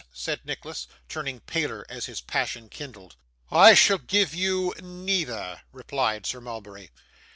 said Nicholas, turning paler as his passion kindled. 'I shall give you neither,' replied Sir Mulberry.